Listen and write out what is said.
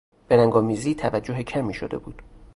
به رنگآمیزی توجه کمی شده بود.